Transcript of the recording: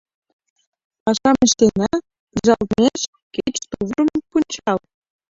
«Пашам ыштена пӱжалтмеш, кеч тувырым пунчал.